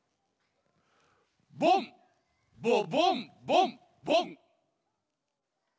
ボンボボンボンボン。